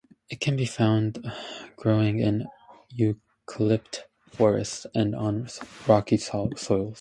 It can be found growing in eucalypt forests and on rocky soils.